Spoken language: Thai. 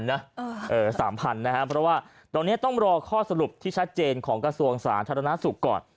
เพราะว่าตอนนี้ต้องรอข้อสรุปที่ชัดเจนของกระทรวงสาธารณสุขก่อน